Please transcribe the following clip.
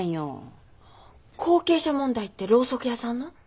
後継者問題ってろうそく屋さんの？